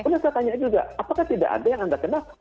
pernah saya tanya juga apakah tidak ada yang anda kenal